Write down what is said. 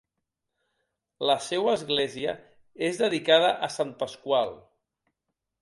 La seua església és dedicada a Sant Pasqual.